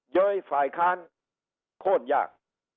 เย้ยฝ่ายค้านโค้นยาก